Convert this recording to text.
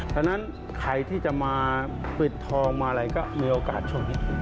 ฉะนั้นใครที่จะมาปิดทองมาอะไรก็มีโอกาสช่วงนี้